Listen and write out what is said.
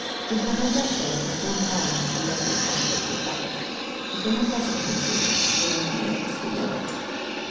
We permit ourselves a free hand with the mental conflict of life, within the possibilities of the human mind as we know it.